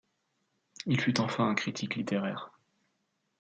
Il fut enfin un critique littéraire.